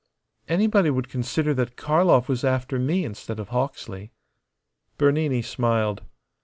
"Anybody would consider that Karlov was after me instead of Hawksley." Bernini smiled.